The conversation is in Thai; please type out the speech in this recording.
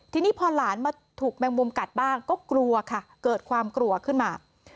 ทีนี้พอหลานมาถูกแมงมุมกัดบ้างก็กลัวค่ะเกิดความกลัวขึ้นมา